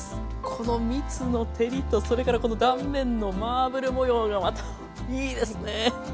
このみつの照りとそれからこの断面のマーブル模様がまたいいですね！